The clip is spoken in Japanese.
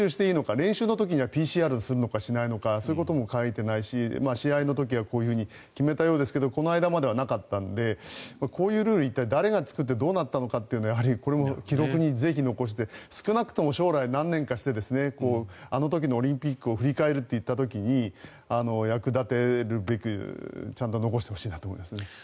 練習の時にはＰＣＲをするのか、しないのかそういうことも書いてないし試合の時はこういうふうに決めたようですけどこの間まではなかったのでこういうルールは誰が作ってどうなったのかというのはやはり、これも記録にぜひ残して少なくとも将来、何年かしてあの時のオリンピックを振り返るといった時に役立てるべく、ちゃんと残してほしいと思います。